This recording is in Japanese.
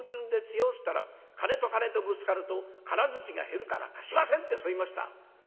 つったら『金と金とぶつかると金づちが減るから貸しません』ってそう言いました」。